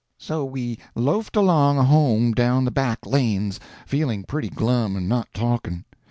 So we loafed along home down the back lanes, feeling pretty glum and not talking.